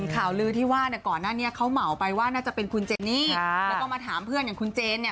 ข่าวลือที่ว่าเนี่ยก่อนหน้านี้เขาเหมาไปว่าน่าจะเป็นคุณเจนี่แล้วก็มาถามเพื่อนอย่างคุณเจนเนี่ย